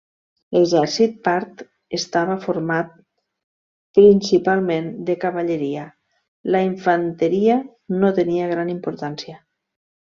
L'exèrcit part estava format principalment de cavalleria, la infanteria no tenia gran importància.